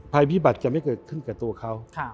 ภัยพิบัติจะไม่เกิดขึ้นกับตัวเขา